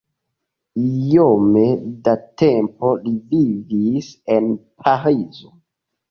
Iom da tempo li vivis en Parizo.